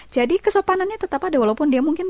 jadi kesopanannya tetap ada walaupun dia mungkin